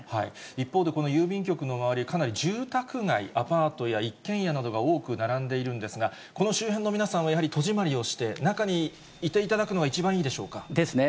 一方でこの郵便局の周り、かなり住宅街、アパートや一軒家などが多く並んでいるんですが、この周辺の皆さんはやはり戸締まりをして、中にいていただくのが一番いいでしょうか。ですね。